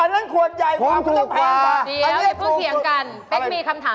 อันนั้นขวดใหญ่กว่าคุณต้องแพงกว่า